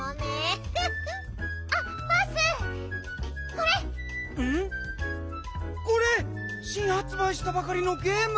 これしんはつばいしたばかりのゲーム！